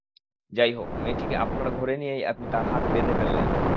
যাই হোক, মেয়েটিকে আপনার ঘরে নিয়েই আপনি তার হাত বেঁধে ফেললেন।